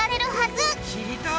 知りたい！